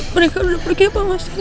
mereka udah pergi apa gak sih